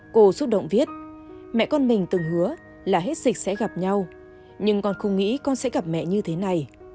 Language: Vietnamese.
cô xúc động viết mẹ con mình từng hứa là hết dịch sẽ gặp nhau nhưng con không nghĩ con sẽ gặp mẹ như thế này